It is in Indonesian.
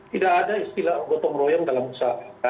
tidak ada istilah gotong royong dalam usaha